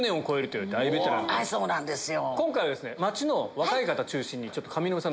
そうなんですよ。